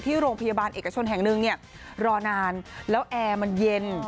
โรงพยาบาลเอกชนแห่งหนึ่งเนี่ยรอนานแล้วแอร์มันเย็น